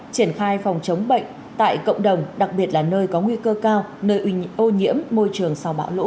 triển khai phòng chống bệnh tại cộng đồng đặc biệt là nơi có nguy cơ cao nơi ô nhiễm môi trường sau bão lũ